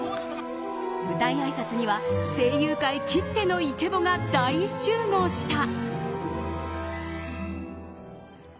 舞台あいさつには声優界きってのイケボが大集合した。